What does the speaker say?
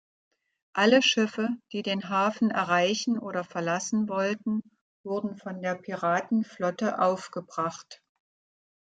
Alle Schiffe, die den Hafen erreichen oder verlassen wollten, wurden von der Piratenflotte aufgebracht.